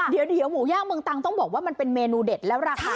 เดี๋ยวหมูย่างเมืองตังต้องบอกว่ามันเป็นเมนูเด็ดแล้วราคา